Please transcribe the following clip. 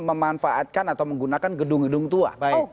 memanfaatkan atau menggunakan gedung gedung tua